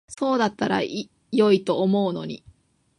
そうだったら良いと思うのに。